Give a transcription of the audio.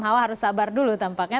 harus sabar dulu tampaknya